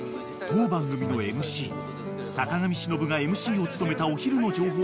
［当番組のＭＣ坂上忍がＭＣを務めたお昼の情報番組『バイキング』が］